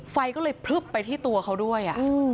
ไฟก็เลยพลึบไปที่ตัวเขาด้วย